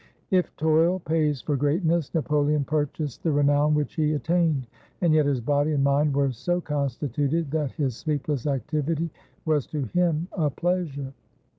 If toil pays for greatness, Napoleon purchased the re nown which he attained. And yet his body and mind were so constituted that his sleepless activity was to him a pleasure.